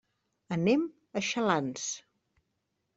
Anem a Xalans.